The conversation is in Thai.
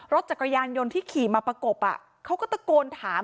รถจักรยานยนต์ที่ขี่มาประกบเขาก็ตะโกนถาม